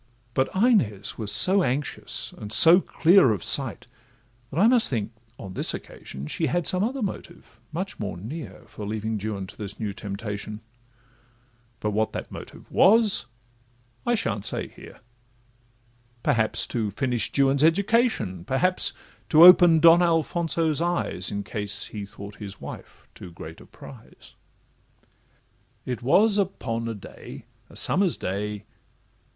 But Inez was so anxious, and so clear Of sight, that I must think, on this occasion, She had some other motive much more near For leaving Juan to this new temptation; But what that motive was, I sha'n't say here; Perhaps to finish Juan's education, Perhaps to open Don Alfonso's eyes, In case he thought his wife too great a prize. It was upon a day, a summer's day.